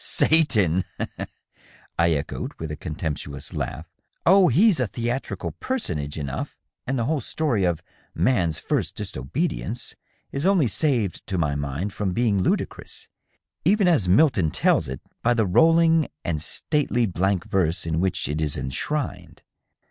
" Satan !" I echoed, with a contemptuous laugh. " Oh, he's a the atrical personage enough, and the whole story of ^ man's first disobedi ence' is only saved, to my mind, from being ludicrous, even as Milton tells it, by the rolling and stately blank verse in which it is enshrined.